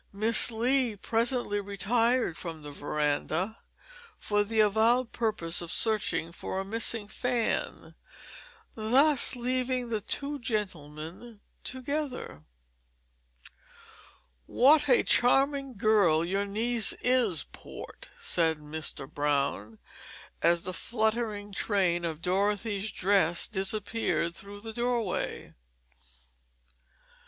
Miss Lee presently retired from the veranda for the avowed purpose of searching for a missing fan, thus leaving the two gentlemen together. [Illustration: What a charming girl your niece is 054] "What a charming girl your niece is, Port!" said Mr. Brown, as the fluttering train of Dorothy's dress disappeared through the door way.